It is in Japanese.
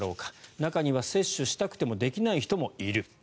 中には接種したくてもできない人もいる。